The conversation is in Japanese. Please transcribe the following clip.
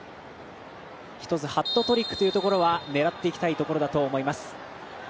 ハットトリックというところは狙っていきたいと思います。